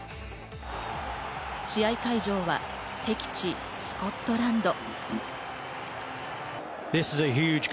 試合会場は敵地、スコットランド。